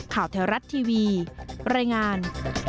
ข่าวเที่ยวรัฐทีวีบรรยงาน